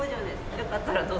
よかったらどうぞ。